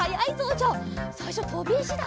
じゃあさいしょとびいしだ！